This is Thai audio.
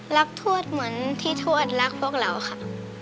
ทวดเหมือนที่ทวดรักพวกเราค่ะ